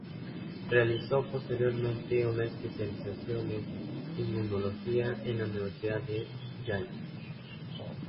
Realizó posteriormente una especialización en Inmunología en la Universidad de Yale.